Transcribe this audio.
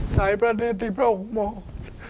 สายประเนติพระองค์มองค์